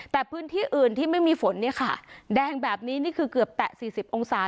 แต่พื้นที่อื่นที่ไม่มีฝนเนี่ยค่ะแดงแบบนี้นี่คือเกือบแตะ๔๐องศา